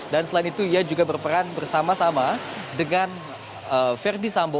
dan selain itu ia juga berperan bersama sama dengan verdi sambo